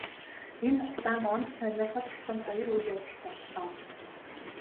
Энэ хугацаанд онц сонирхол татам хоёр үйл явдал боллоо.